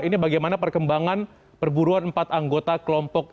ini bagaimana perkembangan perburuan empat anggota kelompok